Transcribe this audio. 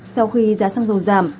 sau khi giá xăng dầu giảm